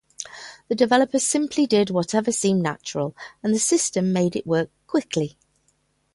The developer simply did whatever seemed natural, and the system made it work quickly.